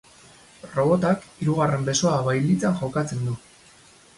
Robotak hirugarren besoa bailitzan jokatzen du.